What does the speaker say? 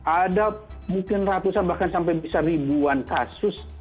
ada mungkin ratusan bahkan sampai bisa ribuan kasus